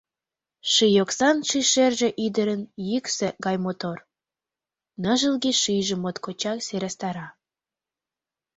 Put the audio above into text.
Ший оксан шӱшерже ӱдырын йӱксӧ гай мотор, ныжылге шӱйжым моткочак сӧрастара.